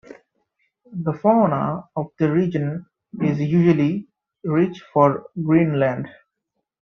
The fauna of the region is unusually rich for Greenland.